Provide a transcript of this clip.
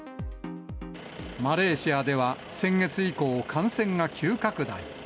マレーシアでは先月以降、感染が急拡大。